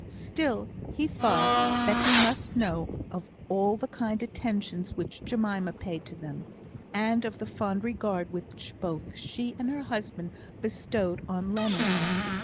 Still, he thought that he must know of all the kind attentions which Jemima paid to them, and of the fond regard which both she and her husband bestowed on Leonard.